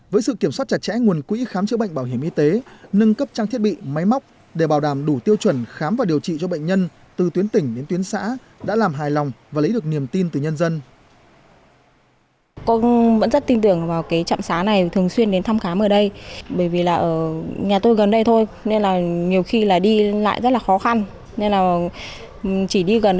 với sự kiểm soát chặt chẽ nguồn quỹ khám chữa bệnh bảo hiểm y tế nâng cấp trang thiết bị máy móc để bảo đảm đủ tiêu chuẩn khám và điều trị cho bệnh nhân từ tuyến tỉnh đến tuyến xã đã làm hài lòng và lấy được niềm tin từ nhân dân